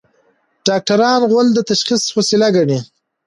ډاکټران غول د تشخیص وسیله ګڼي.